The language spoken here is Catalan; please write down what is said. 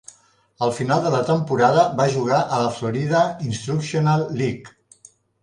Al final de la temporada, va jugar a la Florida Instructional League.